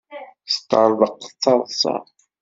Teṭṭerḍeq d taḍsa.